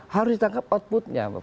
harus ditangkap outputnya